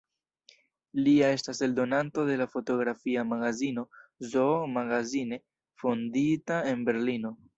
Lia estas eldonanto de la fotografia magazino „Zoo Magazine“, fondita en Berlino.